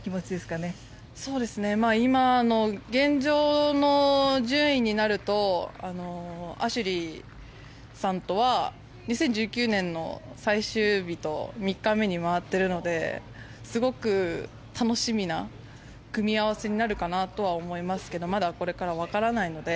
今の現状の順位になるとアシュリーさんとは２０１９年の最終日と３日目に回っているのですごく楽しみな組み合わせになるかなと思いますけどまだこれからわからないので。